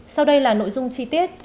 sau đây là nội dung chi tiết